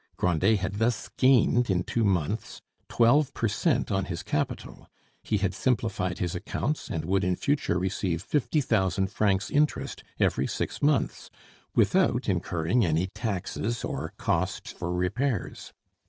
Grandet had thus gained in two months twelve per cent on his capital; he had simplified his accounts, and would in future receive fifty thousand francs interest every six months, without incurring any taxes or costs for repairs.